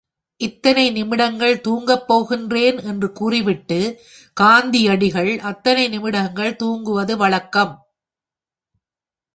இத்தனை நிமிடங்கள் தூங்கப் போகிறேன் என்று கூறிவிட்டு காந்தியடிகள் அத்தனை நிமிடங்கள் தூங்குவ வழக்கம்.